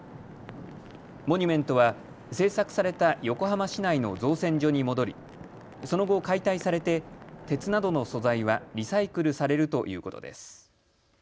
モニュメントは製作された横浜市内の造船所に戻りその後、解体されて鉄などの素材はリサイクルされるということです。